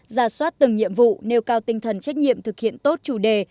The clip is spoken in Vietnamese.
ra soát từng nhiệm vụ nêu cao tinh thần trách nhiệm thực hiện tốt chủ đề